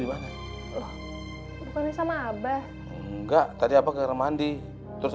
sama abah enggak tadi apa keren mandi terus